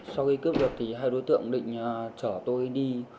sau khi cướp được thì hai đối tượng định chở tôi đi